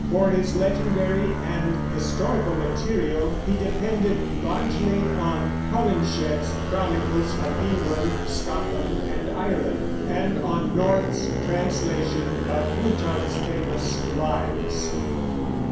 For his legendary and historical material he depended, largely on Holinshed's Chronicles of England, Scotland, and Ireland, and on North's translation of Plutarch's famous Lives.